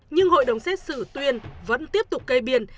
nhưng hội đồng xét xử tuyên vẫn tiếp tục cây biên